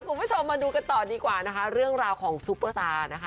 คุณผู้ชมมาดูกันต่อดีกว่านะคะเรื่องราวของซุปเปอร์สตาร์นะคะ